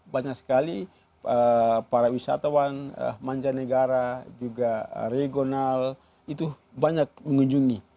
banyak sekali para wisatawan mancanegara juga regional itu banyak mengunjungi